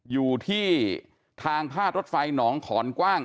อยู่ที่ทางพาดรถไฟหนองขอนกว้าง